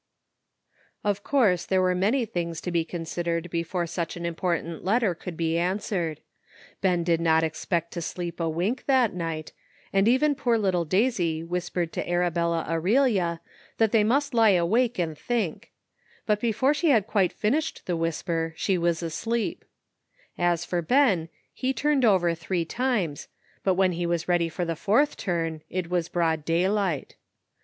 Of course there were many things to be con sidered before such an important letter could be THE UNEXPECTED HAPPENS. 191 answered. Ben did not expect to sleep a wink that night, and even poor little Daisy whispered to Arabella Aurelia that they must lie awake and think; but before she had quite finished the whisper she was asleepo As for Ben, he turned over three times, but when he was ready for the fourth turn it was broad daylight.